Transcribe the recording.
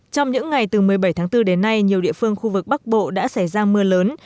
trong những ngày từ một mươi bảy tháng bốn đến nay nhiều địa phương khu vực bắc bộ đã xảy ra mưa lớn